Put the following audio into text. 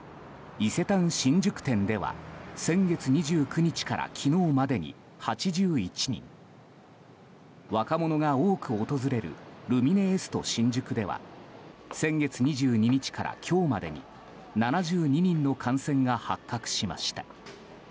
伊勢丹新宿店では先月２９日から昨日までに８１人若者が多く訪れるルミネエスト新宿では先月２２日から今日までに７２人の感染が発覚しました。